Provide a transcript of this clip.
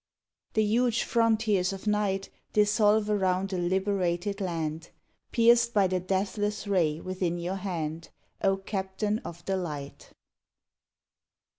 The huge frontiers of night Dissolve around a liberated land Pierced by the deathless ray within your hand, O Captain of the Light!